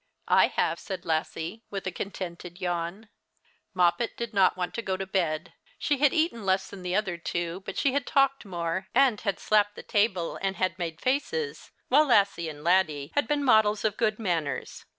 " I have," said Lassie, with a contented yawn. Moppet did not want to go to bed. She had eaten less than the other two, but she had talked more, and had slapped the table, and had made faces, while Lassie and Laddie had been models of good manners.